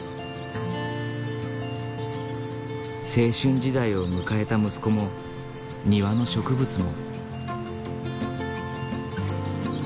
青春時代を迎えた息子も庭の植物も。